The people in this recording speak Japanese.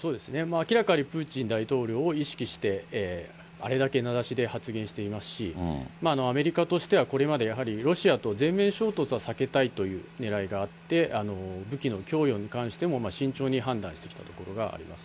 明らかにプーチン大統領を意識して、あれだけ名指しで発言していますし、アメリカとしてはこれまで、ロシアと全面衝突は避けたいというねらいがあって、武器の供与に関しても慎重に判断してきたところがあります。